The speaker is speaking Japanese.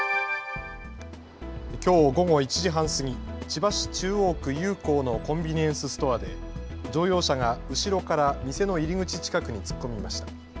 きょう午後１時半過ぎ千葉市中央区祐光のコンビニエンスストアで乗用車が後ろから店の入り口近くに突っ込みました。